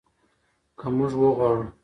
که موږ وغواړو.